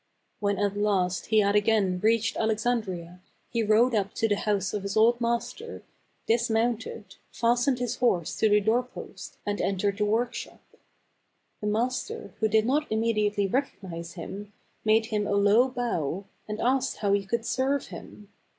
When at last he had again reached Alexandria, he rode up to the house of his old master, dis mounted, fastened his horse to the door post and entered the workshop. THE CAB AVAN. 219 The master who did not immediately recognize him, made him a low bow, and asked how he could serve him.